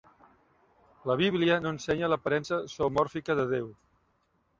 La Bíblia no ensenya l'aparença zoomòrfica de Déu.